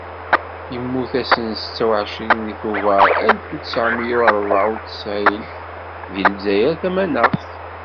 Yemmut ass n setta u εecrin deg tuber alef u tesεemya u rebεa u tesεun, deg Lezzayer Tamaneɣt.